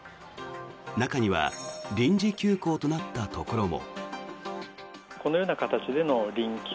中には臨時休校となったところも。